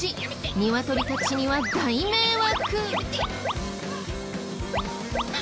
ニワトリたちには大迷惑！